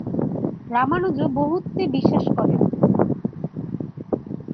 রামানুজ বহুত্বে বিশ্বাস করেন।